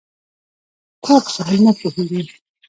کوږ ذهن نه پوهېږي